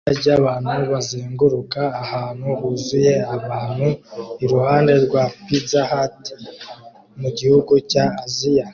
Itsinda ryabantu bazenguruka ahantu huzuye abantu iruhande rwa Pizza Hut mugihugu cya Aziya